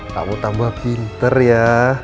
kamu tambah pinter ya